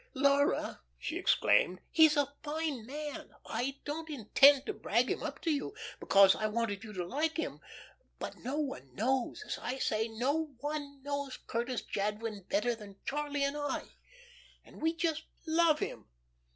Laura," she exclaimed, "he's a fine man. I didn't intend to brag him up to you, because I wanted you to like him. But no one knows as I say no one knows Curtis Jadwin better than Charlie and I, and we just love him.